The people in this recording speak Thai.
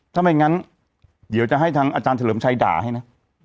ถ้าไม่งั้นเดี๋ยวจะให้ทางอาจารย์เฉลิมชัยด่าให้นะ